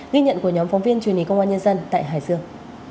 ghi nhận của nhóm phóng viên truyền hình công an nhân dân tại hải dương